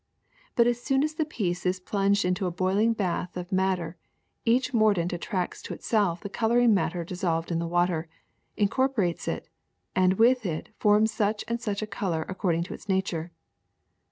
But as soon as the piece is ^Dlunged into a boiling bath of madder each mordant attracts to itself the coloring matter dissolved in the water, incorporates it, and with it forms such and such a color according to its nature.